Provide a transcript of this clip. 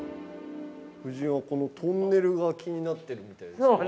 ◆夫人は、このトンネルが気になってるみたいですね。